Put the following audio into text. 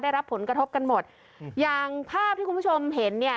ได้รับผลกระทบกันหมดอืมอย่างภาพที่คุณผู้ชมเห็นเนี่ย